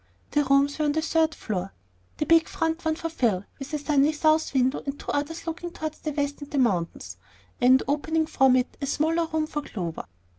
The rooms were on the third floor. A big front one for Phil, with a sunny south window and two others looking towards the west and the mountains, and, opening from it, a smaller room for Clover.